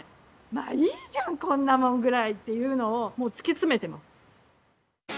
「まあいいじゃんこんなもんぐらい」っていうのをもう突き詰めてます。